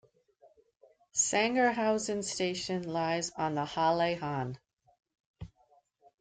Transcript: Sangerhausen station lies on the Halle-Hann.